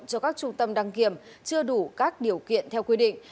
cho các trung tâm đăng kiểm chưa đủ các điều kiện theo quy định